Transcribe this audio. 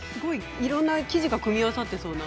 いろんな生地が組み合わさってそうな。